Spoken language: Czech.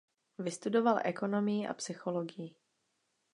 Vystudoval ekonomii a psychologii.